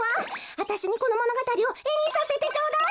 あたしにこのものがたりをえにさせてちょうだい！